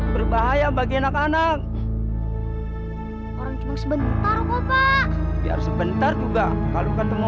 berbahaya bagi anak anak orang sebentar gua pak biar sebentar juga kalau ketemu